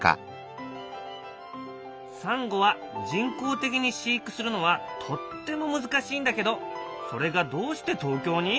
サンゴは人工的に飼育するのはとっても難しいんだけどそれがどうして東京に！？